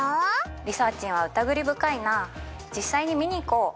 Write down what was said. リサーちんは疑り深いな実際に見に行こう！